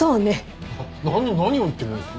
何を何を言ってるんですか。